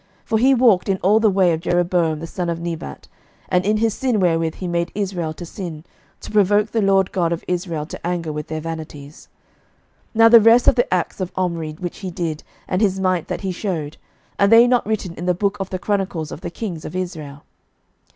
11:016:026 For he walked in all the way of Jeroboam the son of Nebat, and in his sin wherewith he made Israel to sin, to provoke the LORD God of Israel to anger with their vanities. 11:016:027 Now the rest of the acts of Omri which he did, and his might that he shewed, are they not written in the book of the chronicles of the kings of Israel?